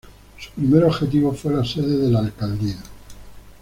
Su primer objetivo fue la sede de la Alcaldía.